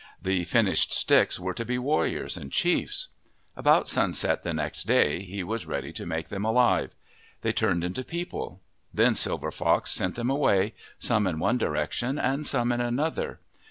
The finished sticks were to be warriors and chiefs. About sunset the next day he was ready to make them alive. They turned into people. Then Silver Fox sent them away, some in one direction and some in an other.